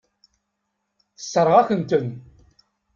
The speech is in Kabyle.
Tessṛeɣ-akent-ten.